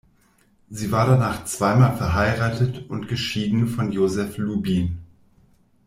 Sie war danach zweimal verheiratet und geschieden von Joseph Lubin.